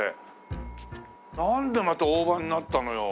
なんでまた大葉になったのよ？